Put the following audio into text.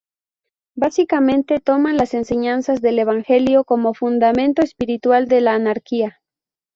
Básicamente toman las enseñanzas del Evangelio como fundamento espiritual de la anarquía.